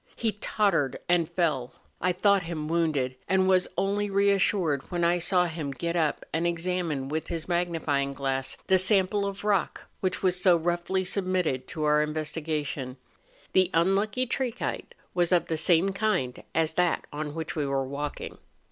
He tottered and fell; I thought him wounded, and was only re¬ assured when I saw him get up and examine with his magnifying glass the sample of rock which was so roughly submitted to our investigation ; the un¬ lucky trachyte was of the same kind as that on which we were walking.